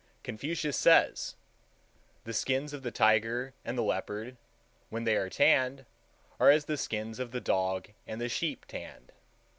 Confucius says,—"The skins of the tiger and the leopard, when they are tanned, are as the skins of the dog and the sheep tanned."